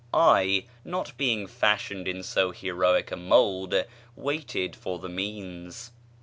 I, not being fashioned in so heroic a mould, waited for the means.